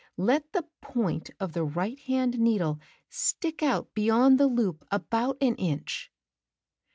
Let the point of tlie right hand needle stick out beyond the loop about an inch.